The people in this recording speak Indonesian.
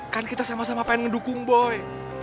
kan kita sama sama pengen mendukung boy